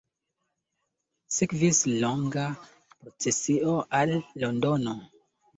Sekvis longa procesio al Londono.